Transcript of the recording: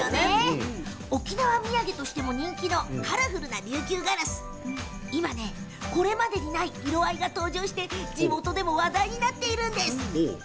沖縄土産としても人気のカラフルな琉球ガラス、これまでにない色合いが登場して地元でも話題になっているんです。